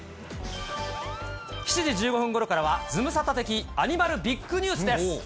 ７時１５分ごろからは、ズムサタ的アニマルＢＩＧＮＥＷＳです。